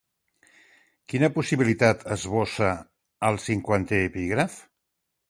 Quina possibilitat esbossa el cinquantè epígraf?